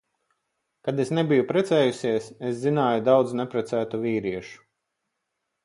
Kad es nebiju precējusies, es zināju daudz neprecētu vīriešu.